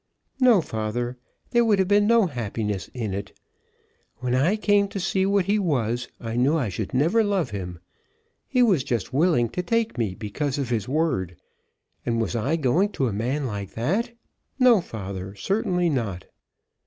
"No, father; there would have been no happiness in it. When I came to see what he was I knew I should never love him. He was just willing to take me because of his word; and was I going to a man like that? No, father; certainly not."